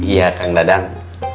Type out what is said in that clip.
iya kakang dadang